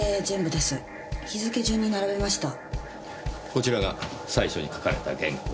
こちらが最初に書かれた原稿。